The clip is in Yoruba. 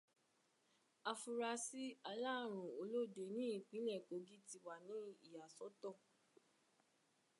Afurasí aláàrùn olóde ní ìpínlẹ̀ Kogí ti wà ní ìyàsọ́tọ̀.